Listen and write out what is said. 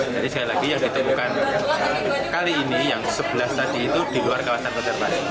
jadi sekali lagi yang ditemukan kali ini yang sebelas tadi itu di luar kawasan konservasi